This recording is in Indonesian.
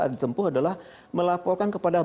ditempuh adalah melaporkan kepada